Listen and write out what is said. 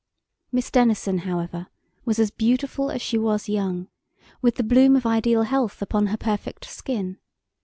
Miss Denison, however, was as beautiful as she was young, with the bloom of ideal health upon her perfect skin.